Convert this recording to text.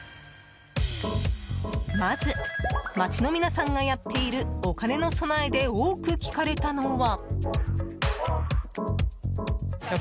まず、街の皆さんがやっているお金の備えで多く聞かれたのは。